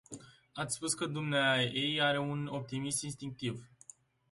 Ați spus că dumneaei are un optimism instinctiv.